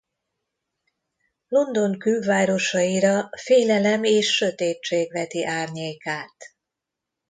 London külvárosaira félelem és sötétség veti árnyékát.